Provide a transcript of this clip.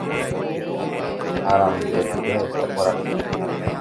Arambépe jahecha kuarahy